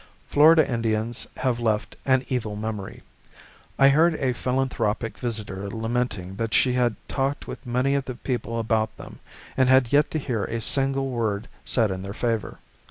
Florida Indians have left an evil memory. I heard a philanthropic visitor lamenting that she had talked with many of the people about them, and had yet to hear a single word said in their favor.